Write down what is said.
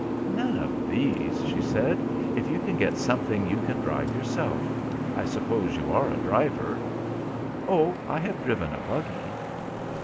"None of these," she said, "if you can get something you can drive yourself—I suppose you are a driver?" "Oh, I have driven a buggy."